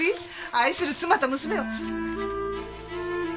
愛する妻と娘を。